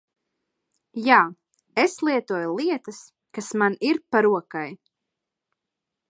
Jā, es lietoju lietas kas man ir pa rokai.